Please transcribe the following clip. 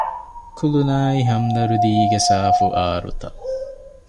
ކުލުނާއި ހަމްދަރްދީގެ ސާފު އާރުތައް